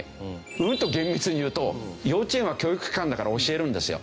うんと厳密に言うと幼稚園は教育機関だから教えるんですよ。